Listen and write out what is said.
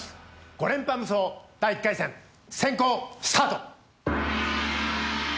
５連覇無双第１回戦先攻スタート！